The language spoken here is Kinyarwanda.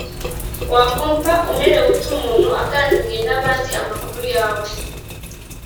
Wakumva umerewe ute umuntu aganiriye nabandi amakuru yawe